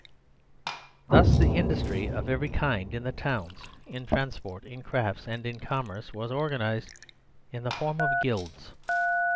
Thus industry of every kind in the towns, in transport, in crafts, and in commerce, was organised intheform of Guilds.